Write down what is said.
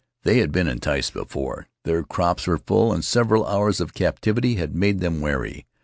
They had been enticed before; their crops were full, and several hours of captivity had made them wary.